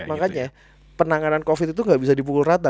makanya penanganan covid itu nggak bisa dipukul rata